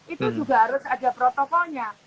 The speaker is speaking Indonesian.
itu juga harus ada protokolnya